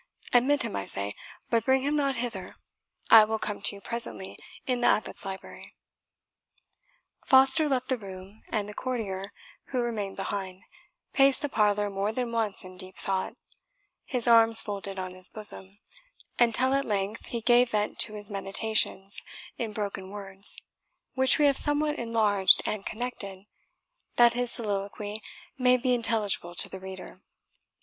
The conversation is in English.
Admit him, I say, but bring him not hither; I will come to you presently in the Abbot's library." Foster left the room, and the courtier, who remained behind, paced the parlour more than once in deep thought, his arms folded on his bosom, until at length he gave vent to his meditations in broken words, which we have somewhat enlarged and connected, that his soliloquy may be intelligible to the reader.